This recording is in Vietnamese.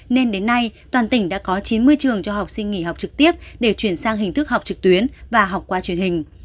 nên đến nay toàn tỉnh đã có chín mươi trường cho học sinh nghỉ học trực tiếp để chuyển sang hình thức học trực tuyến và học qua truyền hình